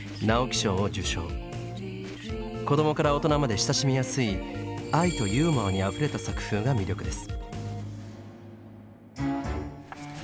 子どもから大人まで親しみやすい愛とユーモアにあふれた作風が魅力です。